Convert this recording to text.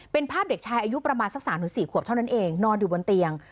เป็นภาพเด็กชายอายุประมาณสัก๓๔ขวบเท่านั้นเองนอนอยู่บนเตียง